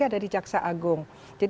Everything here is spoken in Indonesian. ada di jaksa agung